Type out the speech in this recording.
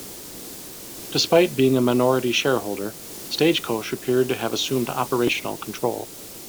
Despite being a minority shareholder, Stagecoach appeared to have assumed operational control.